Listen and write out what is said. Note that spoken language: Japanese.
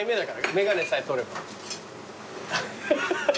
眼鏡さえ取れば。